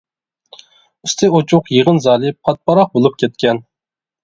ئۈستى ئوچۇق يىغىن زالى پات-پاراق بولۇپ كەتكەن.